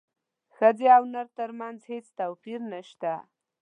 ښځې او نر ترمنځ هیڅ توپیر نشته